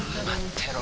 てろ